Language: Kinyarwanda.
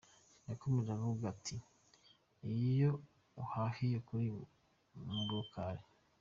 Yakomeje avuga ati: “Iyo uhahiye kuri murukali.